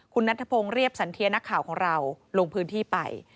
คุณนัทพงศ์เรียบสันเทียนักข่าวของเราลงพื้นที่ไป